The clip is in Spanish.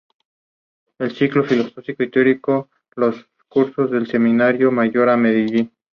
Los objetivos de la facultad están orientados por tres actividades misionales.